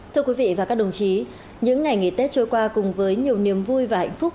thưa quý vị và các đồng chí những ngày nghỉ tết trôi qua cùng với nhiều niềm vui và hạnh phúc